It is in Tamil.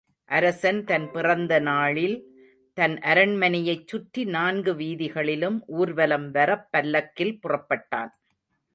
அரசன் தன் பிறந்தநாளில் தன் அரண்மனையைச் சுற்றி நான்கு வீதிகளிலும் ஊர்வலம்வரப் பல்லக்கில் புறப்பட்டான்.